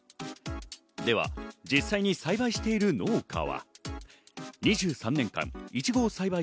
では実際に栽培している農家は。